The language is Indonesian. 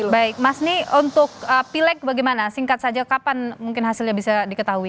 baik mas ni untuk pileg bagaimana singkat saja kapan mungkin hasilnya bisa diketahui